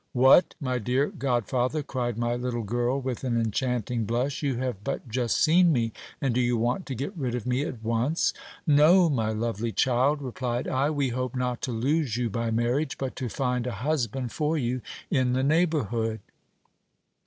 What ! my dear god father, cried my little girl with an enchanting blush, you have but just seen me, and do you want to 1 get rid of me at once ! No, my lovely child, replied I, we hope not to lose you by marriage, but to find a husband for you in the neighbourhood.